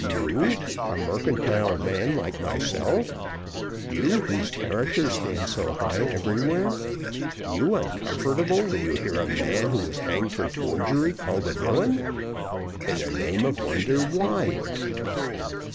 you, a mercantile man like myself you, whose character stands so high everywhere you uncomfortable when you hear a man who was hanged for forgery called a villain! In the name of wonder, why?"